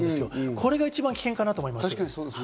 これが一番危険だと思います。